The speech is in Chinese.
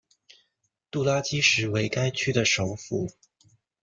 杜拉基什为该区的首府。